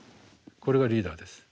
これがリーダーです。